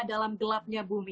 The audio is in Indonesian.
dalam gelapnya bumi